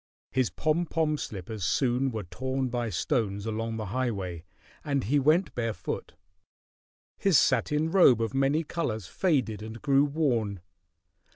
His pom pom slippers soon were torn by stones along the highway, and he went barefoot. His satin robe of many colors faded and grew worn.